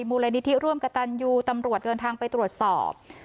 มูลนิธิร่วมกับตันยูตำรวจเดินทางไปตรวจสอบ